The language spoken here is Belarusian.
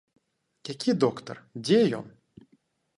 Які доктар, дзе ён?